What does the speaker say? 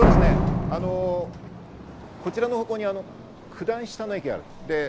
こちらの方向に九段下の駅があります。